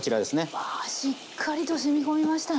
うわしっかりとしみ込みましたね。